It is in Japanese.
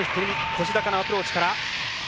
腰高のアプローチから。